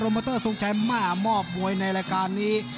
มาหมอบมวยในรายการนี้